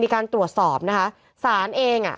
มีการตรวจสอบนะคะสารเองอ่ะ